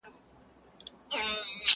همدم نه سو د یو ښکلي د ښکلو انجمن کي